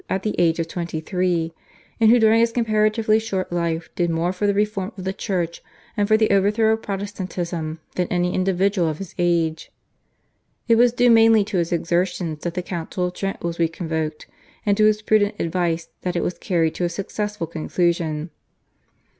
at the age of twenty three, and who during his comparatively short life did more for the reform of the Church and for the overthrow of Protestantism than any individual of his age. It was due mainly to his exertions that the Council of Trent was re convoked, and to his prudent advice that it was carried to a successful conclusion.